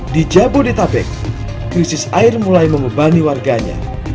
di jabodetabek krisis air mulai membebani warganya